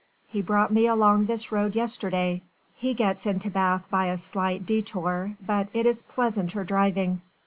He brought me along this road yesterday. He gets into Bath by a slight détour but it is pleasanter driving."